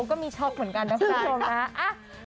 ก็มีช็อกเหมือนกันนะพวกเรานะ